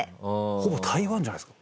ほぼ台湾じゃないですか。